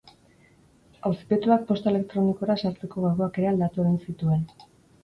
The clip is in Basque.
Auzipetuak posta elektronikora sartzeko gakoak ere aldatu egin zituen.